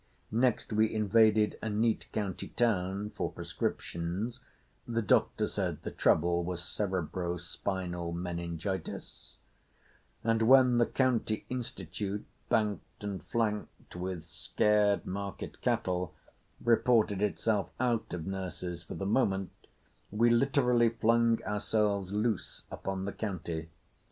Next we invaded a neat county town for prescriptions (the Doctor said the trouble was cerebro spinal meningitis), and when the County Institute, banked and flanked with scared market cattle, reported itself out of nurses for the moment we literally flung ourselves loose upon the county.